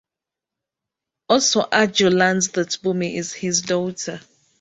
Also Arjo learns that Bhumi is his daughter.